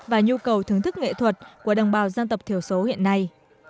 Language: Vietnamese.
và nhu cầu thưởng thức nghệ thuật của đồng bào dân tộc thiểu số hiện nay